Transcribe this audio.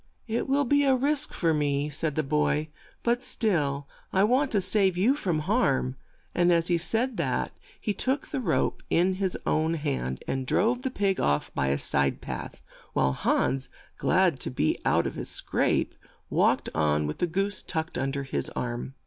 "It will be a risk for me," said the boy, "but still I want to save you from harm," and as he said this he took the rope HANS IN LUCK 129 HANS TRIES TO GET A DRINK FROM THE COW. in his own hand and drove the pig off by a side path, while Hans, glad to be out of his scrape, walked on with the goose tucked un der his arm.